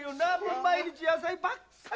毎日野菜ばっかり。